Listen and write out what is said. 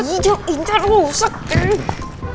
iiih jauh incer luset